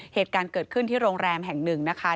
เหตุการณ์เกิดขึ้นที่โรงแรมแห่งหนึ่งนะคะ